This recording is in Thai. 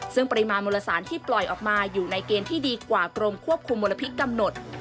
ซึ่งปริมาณมูลสารที่ปล่อยออกมาอยู่ในเกณฑ์ที่ดีกว่ากรมควบคุมมลพิษกำหนด